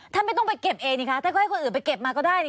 ท่านไม่ต้องไปเก็บเองแต่ก็ให้คนอื่นไปเก็บมาก็ได้